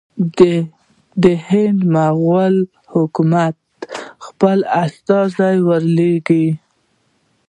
ده د هند مغولي حکومت ته خپل استازي ور ولېږل.